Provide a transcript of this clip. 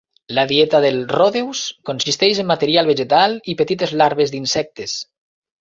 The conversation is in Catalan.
La dieta del ródeus consisteix en material vegetal i petites larves d'insectes.